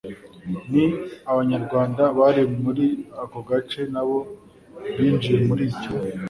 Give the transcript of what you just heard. n Abanyarwanda bari muri ako gace na bo binjiye muri icyo